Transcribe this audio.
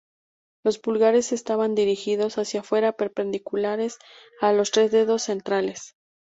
Los pulgares estaban dirigidos hacia fuera, perpendiculares a los tres dedos centrales.